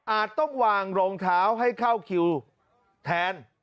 ต้องวางรองเท้าให้เข้าคิวแทน